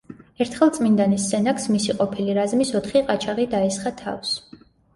ერთხელ წმინდანის სენაკს მისი ყოფილი რაზმის ოთხი ყაჩაღი დაესხა თავს.